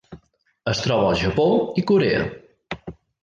Es troba al Japó i Corea.